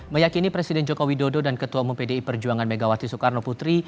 meyakini presiden joko widodo dan ketua umum pdi perjuangan megawati soekarno putri